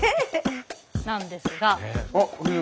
なんですが。